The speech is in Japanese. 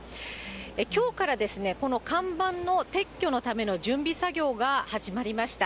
きょうからこの看板の撤去のための準備作業が始まりました。